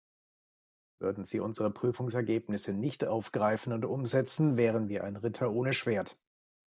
Würden Sie unsere Prüfungsergebnisse nicht aufgreifen und umsetzen, wären wir ein Ritter ohne Schwert.